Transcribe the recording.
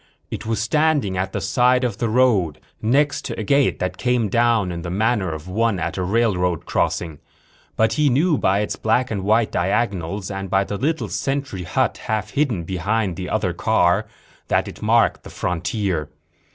It was standing at the side of the road, next to a gate that came down in the manner of one at a railroad crossing. But he knew by its black and white diagonals and by the little sentry hut half hidden behind the other car that it marked the frontier.